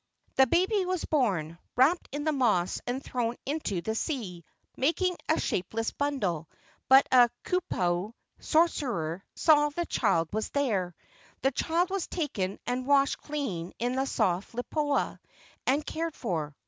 The baby was born, wrapped in the moss and thrown into the sea, making a shapeless bundle, but a kupua (sorcerer) saw that a child was there. The child was taken and washed clean in the soft lipoa, and cared for.